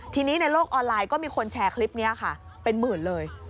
ทีนี้ในโลกออนไลน์ก็มีคนแชร์คลิปนี้ค่ะเป็นหมื่นเลย